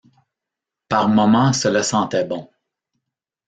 Par moments cela sentait bon.